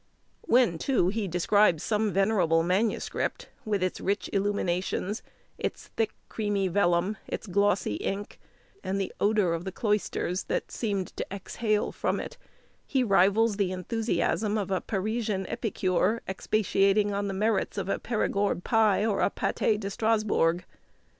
When, too, he describes some venerable manuscript, with its rich illuminations, its thick creamy vellum, its glossy ink, and the odour of the cloisters that seemed to exhale from it he rivals the enthusiasm of a Parisian epicure, expatiating on the merits of a Perigord pie, or a Pâté de Strasbourg.